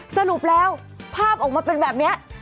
สรุปแล้วภาพออกมาเป็นแบบนี้